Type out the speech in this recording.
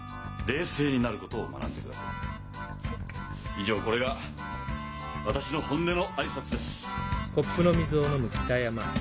以上これが私の本音の挨拶です。